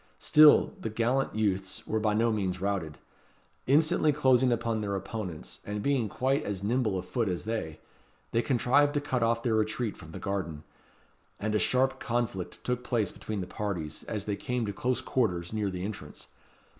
Still, the gallant youths were by no means routed. Instantly closing upon their opponents, and being quite as nimble of foot as they, they contrived to cut off their retreat from the garden; and a sharp conflict took place between the parties, as they came to close quarters near the entrance.